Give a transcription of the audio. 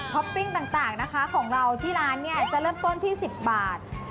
ปปิ้งต่างนะคะของเราที่ร้านเนี่ยจะเริ่มต้นที่๑๐บาท